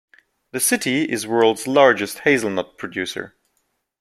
The city is world's largest hazelnut producer.